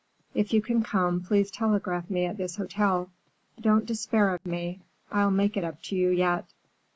If you can come, please telegraph me at this hotel. Don't despair of me. I'll make it up to you yet.